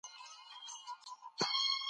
موږ به هېڅکله خپل اصل او نسل هېر نه کړو.